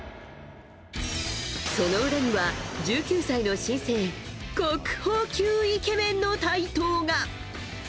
その裏には、１９歳の新星国宝級イケメンの台頭が。